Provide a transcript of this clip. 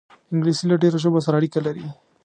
انګلیسي له ډېرو ژبو سره اړیکه لري